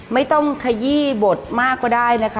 ไม่ต้องขยี้บทมากก็ได้นะคะ